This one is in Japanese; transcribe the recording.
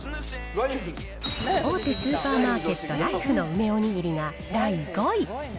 大手スーパーマーケット、ライフの梅おにぎりが第５位。